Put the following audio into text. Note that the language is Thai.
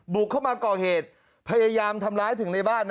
บุกเข้ามาก่อเหตุพยายามทำร้ายถึงในบ้าน